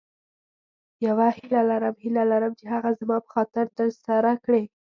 یوه هیله لرم هیله لرم چې هغه زما په خاطر تر سره کړې.